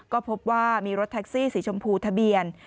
ก็พบว่ามีรถแท็กซี่สีชมพูทะเบียน